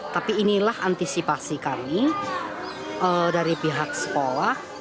tapi inilah antisipasi kami dari pihak sekolah